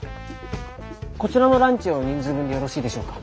こちらのランチを人数分でよろしいでしょうか。